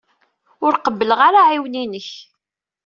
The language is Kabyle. Ur qebbleɣ ara aɛiwen-inek.